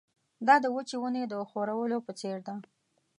دا د وچې ونې د ښورولو په څېر ده.